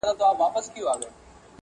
محتسب مي دي وهي په دُرو ارزي,